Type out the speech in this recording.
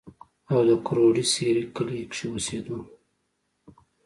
او د کروړې سېرۍ کلي کښې اوسېدو